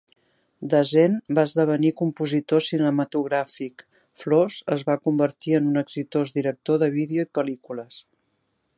Dasent va esdevenir compositor cinematogràfic, Flaws es va convertir en un exitós director de vídeo i pel·lícules.